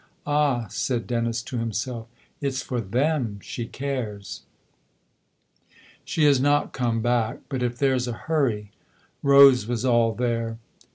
"Ah," said Dennis, to himself, " it's for them she cares !" "She has not come back, but if there's a hurry " Rose was all there.